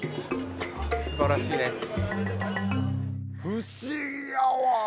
不思議やわ！